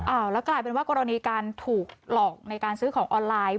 แล้วกลายเป็นว่ากรณีการถูกหลอกในการซื้อของออนไลน์